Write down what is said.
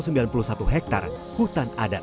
mengingat desa ada tenganan pengeringsingan